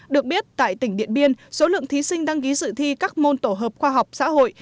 được biết tại tỉnh điện biên số lượng thí sinh đăng ký dự thi các môn tổ hợp khoa học xã hội